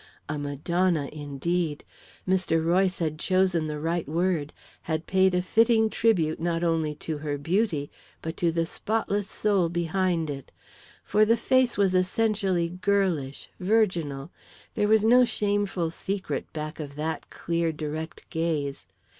A Madonna, indeed! Mr. Royce had chosen the right word, had paid a fitting tribute not only to her beauty but to the spotless soul behind it. For the face was essentially girlish, virginal there was no shameful secret back of that clear, direct gaze.